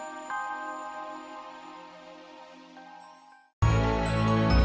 menyerahlah kalian juga terkebong